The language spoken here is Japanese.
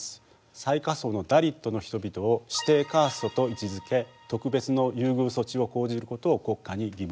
最下層のダリットの人々を指定カーストと位置づけ特別の優遇措置を講じることを国家に義務づけています。